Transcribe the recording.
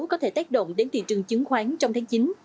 có thể tác động đến thị trường chứng khoán trong tháng chín